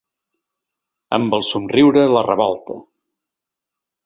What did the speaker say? Amb el somriure, la revolta.